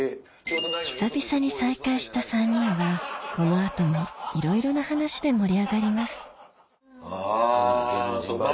久々に再会した３人はこの後もいろいろな話で盛り上がりますあぁそうか。